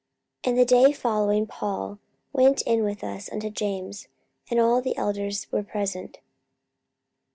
44:021:018 And the day following Paul went in with us unto James; and all the elders were present.